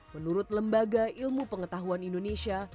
menurut lembaga ilmu pengetahuan indonesia